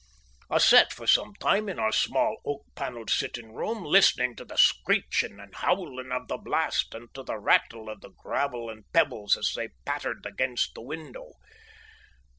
I sat for some time in our small, oak panelled sitting room listening to the screeching and howling of the blast and to the rattle of the gravel and pebbles as they pattered against the window.